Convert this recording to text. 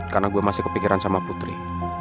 karena gue masih kepikiran sama putri